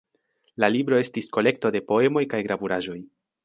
La libro estis kolekto de poemoj kaj gravuraĵoj.